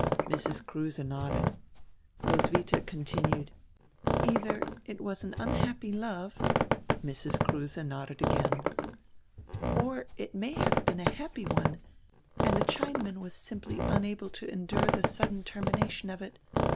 Mrs. Kruse nodded. Roswitha continued: "Eidier it was an unhappy love" — Mrs. Kruse nodded again — "or it may have been a happy one, and die Chinaman was simply unable to endure die sudden termination of it.